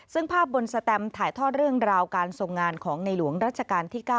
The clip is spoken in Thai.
ซึ่งภาพบนสแตมถ่ายทอดเรื่องราวการทรงงานของในหลวงรัชกาลที่๙